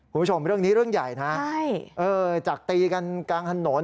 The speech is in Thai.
คุณผู้ชมเรื่องนี้เรื่องใหญ่นะจากตีกันกลางถนน